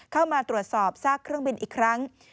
เข้ามาตรวจสอบซากเครื่องบินอีกครั้ง